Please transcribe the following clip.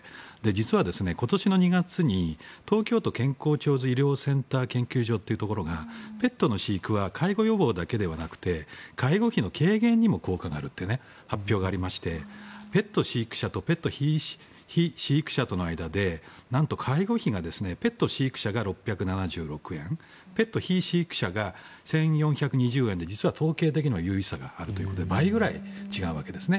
実は今年の２月に東京都健康長寿医療センター研究所というところがペットの飼育は介護予防だけではなくて介護費の軽減にも効果があると発表がありましてペット飼育者とペット非飼育者との間でなんと、介護費がペット飼育者が６７６円ペット非飼育者が１４２０円で実は統計的には有意差があるということで倍ぐらい違うわけですね。